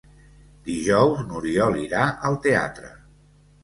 Dijous n'Oriol irà al teatre.